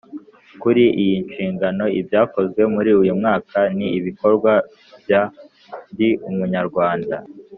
Kuri iyi nshingano ibyakozwe muri uyu mwaka ni ibikorwa bya ndi umunyarwanda